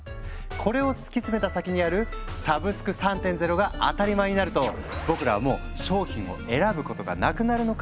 これを突き詰めた先にある「サブスク３．０」が当たり前になると僕らはもう商品を選ぶことがなくなるのかもしれないね。